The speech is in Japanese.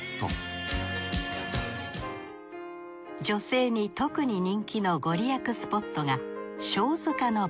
女性に特に人気のご利益スポットが。